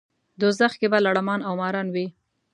دوزخ کې به لړمان او ماران وي.